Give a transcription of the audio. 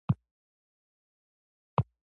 افغانستان د شعر او ادب هیواد دی